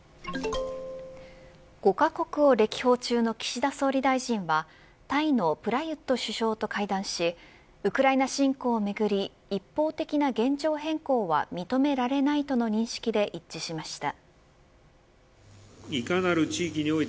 ５カ国を歴訪中の岸田総理大臣はタイのプラユット首相と会談しウクライナ侵攻をめぐり一方的な現状変更は認められないとの認識で一致しました。